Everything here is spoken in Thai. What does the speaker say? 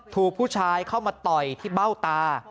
ถูกผู้ชายเข้ามาต่อยที่เบ้าตา